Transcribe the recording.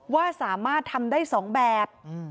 ว่าสามารถทำได้๒แบบ